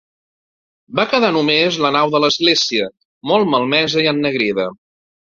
Va quedar només la nau de l'església, molt malmesa i ennegrida.